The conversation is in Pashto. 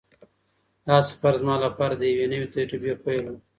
دا سفر زما لپاره د یوې نوې تجربې پیل و.